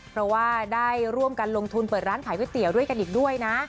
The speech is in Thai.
เพราะว่าได้ร่วมกันลงทุนเปิดร้านขายก๋วยเตี๋ยวด้วยกันอีกด้วยนะ